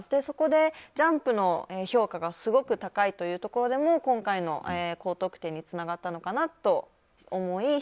そこでジャンプの評価がすごく高いというところでも今回の高得点につながったのかなと思い